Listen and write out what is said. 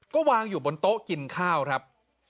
ก็วางอยู่บนโต๊ะกินข้าวครับ